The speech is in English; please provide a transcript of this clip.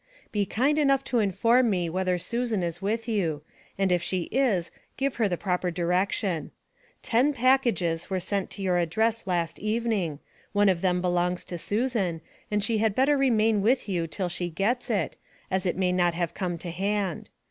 Be kind enough to inform me whether Susan is with you, and if she is give her the proper direction. Ten packages were sent to your address last evening, one of them belongs to Susan, and she had better remain with you till she gets it, as it may not have come to hand.